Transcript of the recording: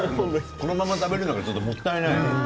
このまま食べるのがもったいない。